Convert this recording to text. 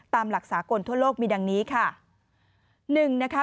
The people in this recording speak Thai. ตามหลักสากลทั่วโลกมีดังนี้ค่ะ